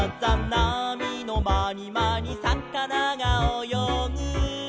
「なみのまにまにさかながおよぐ」